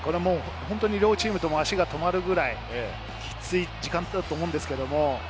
両チームとも足が止まるくらいきつい時間帯だと思うんですけれど。